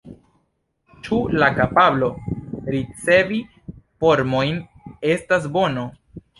Ĉu la kapablo ricevi “formojn” estas bono?